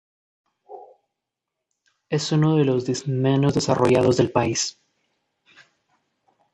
Es uno de los distritos menos desarrollados del país.